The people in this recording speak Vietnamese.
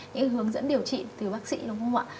những hướng dẫn điều trị từ bác sĩ đúng không ạ